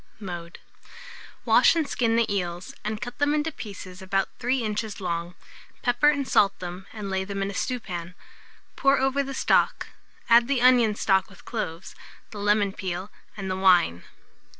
Mode. Wash and skin the eels, and cut them into pieces about 3 inches long; pepper and salt them, and lay them in a stewpan; pour over the stock, add the onion stuck with cloves, the lemon peel, and the wine.